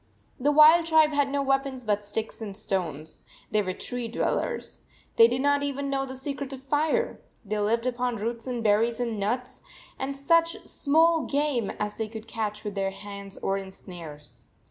The wild tribe had no weapons but sticks and stones. They were tree dwellers. They did not even know the secret of fire. They lived upon roots and berries and nuts, and such small game as they could catch with their hands or in snares.